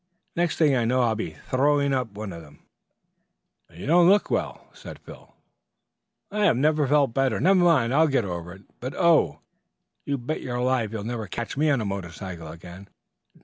Next thing I know I'll be throwing one of 'em up." "You don't look well." "I have felt better. Never mind, I'll get over it; but, oh! you bet your life you'll never catch me on a motorcycle again.